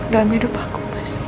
dalam hidup aku